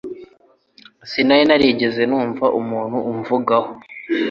Sinari narigeze numva umuntu amuvugaho.